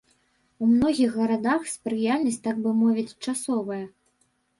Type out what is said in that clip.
У многіх гарадах спрыяльнасць, так бы мовіць, часовая.